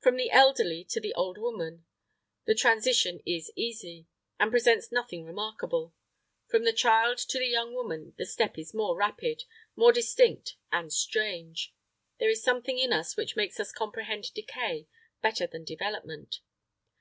From the elderly to the old woman, the transition is easy, and presents nothing remarkable. From the child to the young woman the step is more rapid more distinct and strange. There is something in us which makes us comprehend decay better than development.